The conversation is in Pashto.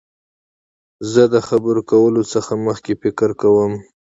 زه د خبرو کولو څخه مخکي فکر کوم.